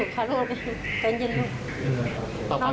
ก็มีกันหนึ่ง